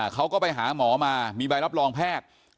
เขาก็ไปหาหมอมามีใบรับรองแพทย์